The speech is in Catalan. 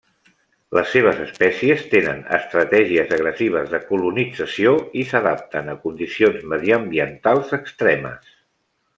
Les seves espècies tenen estratègies agressives de colonització i s'adapten a condicions mediambientals extremes.